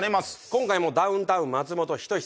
今回もダウンタウン松本人志さん